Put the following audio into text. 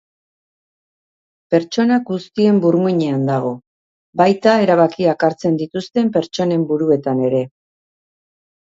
Pertsona guztien burmuinean dago, baita erabakiak hartzen dituzten pertsonen buruetan ere.